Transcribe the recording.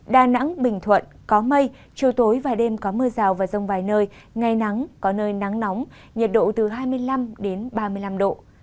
đà nẵng bình thuận có mây chiều tối và đêm có mưa rào và rông vài nơi ngày nắng có nơi nắng nóng nhiệt độ từ hai mươi năm đến ba mươi năm độ